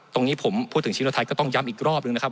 ตรงนี้ผมพูดถึงเชื้อไทยก็ต้องย้ำอีกรอบหนึ่งนะครับ